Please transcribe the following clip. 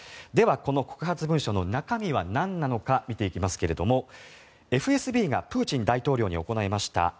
では、この告発文書の中身は何なのか見ていきますけれどもＦＳＢがプーチン大統領に行いました